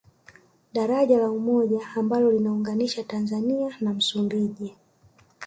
Daraja la Umoja ambalo lina unganisha Tanzania na Msumbiji